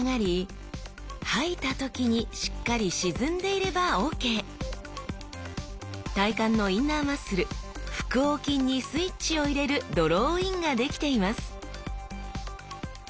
このように体幹のインナーマッスル腹横筋にスイッチを入れるドローインができています！